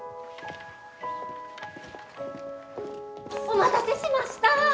お待たせしました！